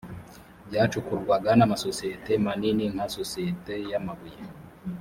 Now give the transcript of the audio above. byacukurwaga n amasosiyete manini nka sosiyete y amabuye